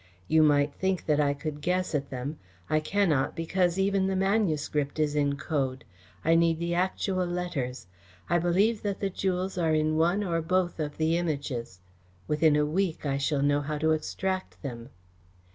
You might think that I could guess at them. I cannot, because even the manuscript is in code. I need the actual letters. I believe that the jewels are in one or both of the Images. Within a week I shall know how to extract them."